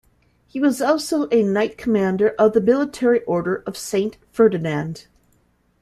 He was also a Knight Commander of the Military Order of Saint Ferdinand.